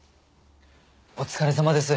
お疲れさまです。